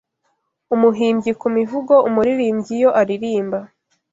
umuhimbyi ku mivugo, umuririmbyi iyo aririmba